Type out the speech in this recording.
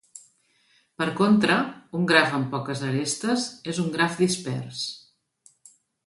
Per contra, un graf amb poques arestes és un graf dispers.